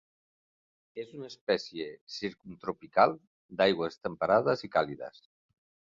És una espècie circumtropical d'aigües temperades i càlides.